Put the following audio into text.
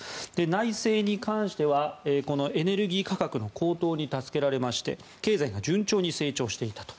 内政に関してはエネルギー価格の高騰に助けられまして経済が順調に成長していたと。